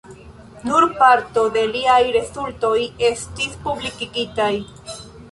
Nur parto de liaj rezultoj estis publikigita.